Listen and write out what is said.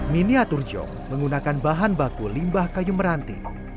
miniatur jong menggunakan bahan baku limbah kayu meranti